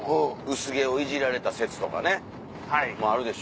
薄毛をいじられた説とかねもあるでしょ？